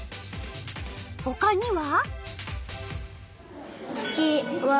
ほかには？